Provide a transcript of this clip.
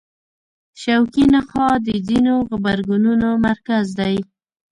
شوکي نخاع د ځینو غبرګونونو مرکز دی.